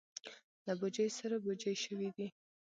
له بوجیو سره بوجۍ شوي دي.